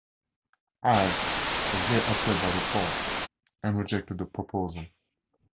Ives was very upset by the thought, and rejected the proposal.